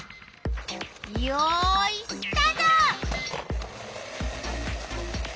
よいスタート！